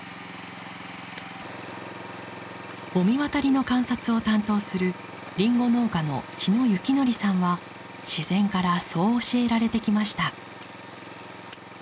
御神渡りの観察を担当するりんご農家の茅野幸則さんは自然からそう教えられてきました。